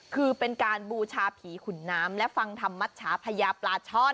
คือเป็นการบูชาผีขุนน้ำและฟังธรรมชาพญาปลาช่อน